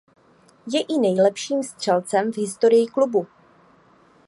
Je i nejlepším střelcem v historii klubu.